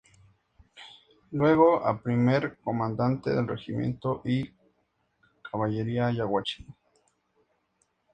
Luego pasó a Primer Comandante del Regimiento de Caballería Yaguachi.